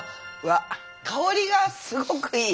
香りがすごくいい。